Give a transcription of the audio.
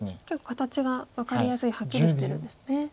結構形が分かりやすいはっきりしてるんですね。